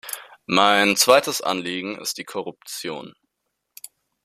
Mein zweites Anliegen ist die Korruption.